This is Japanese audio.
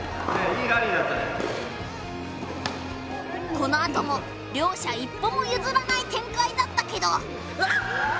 このあとも両者一歩もゆずらない展開だったけど。